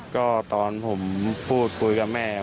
ก็ตอนผมพูดคุยกับแม่